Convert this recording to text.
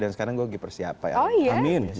dan sekarang gue giper siapa ya